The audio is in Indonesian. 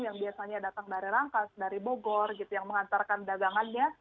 yang biasanya datang dari rangkas dari bogor gitu yang mengantarkan dagangannya